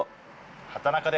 畠中で。